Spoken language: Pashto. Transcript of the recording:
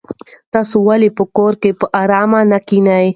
تاسو ولې په کور کې په ارامه نه کېنئ؟